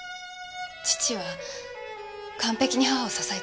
父は完璧に母を支えていました。